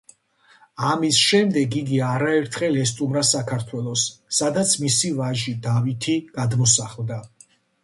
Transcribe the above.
ამის შემდეგ იგი არაერთხელ ესტუმრა საქართველოს, სადაც მისი ვაჟი, დავითი, გადმოსახლდა.